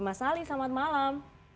mas ali selamat malam